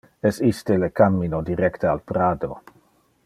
Es iste le cammino directe al Prado?